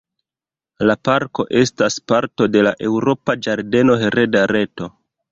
La parko estas parto de la Eŭropa Ĝardeno-Hereda Reto.